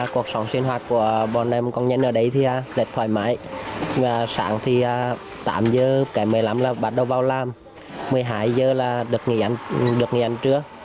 cuộc sống sinh hoạt của bọn em công nhân ở đây thì thoải mái sáng thì tám h kể một mươi năm h là bắt đầu vào làm một mươi hai h là được nghỉ ăn trưa